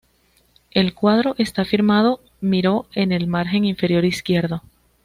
El cuadro está firmado "Miró" en el margen inferior izquierdo.